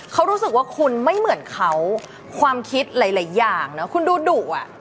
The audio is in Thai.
เขารู้สึกว่าคุณไม่เหมือนเขาความคิดหลายอย่างนะคุณดูดุอ่ะ